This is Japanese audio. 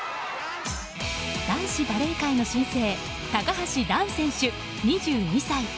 男子バレー界の新星高橋藍選手、２２歳。